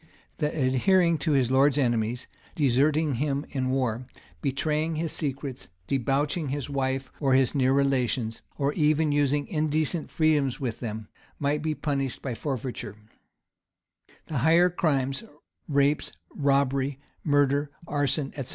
The adhering to his lord's enemies,[] deserting him in war,[] betraying his secrets,[] debauching his wife or his near relations,[] or even using indecent freedoms with them,[] might be punished by forfeiture. The higher crimes, rapes, robbery, murder, arson, etc.